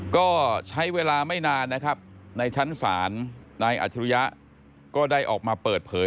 ก็ใช้เวลาไม่นานนะครับในชั้นศาลนายอัจฉริยะก็ได้ออกมาเปิดเผย